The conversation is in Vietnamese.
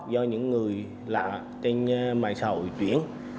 do những người lạ trên mạng sầu chuyển